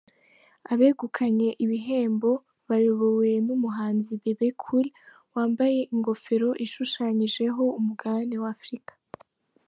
Abegukanye ibihembo bayobowe n'umuhanzi Bebe Cool wambaye ingofero ishushanyijeho umugabane w'Afrika.